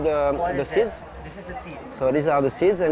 jadi ini adalah buah buahan